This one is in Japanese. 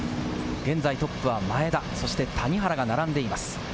現在トップは前田、そして谷原が並んでいます。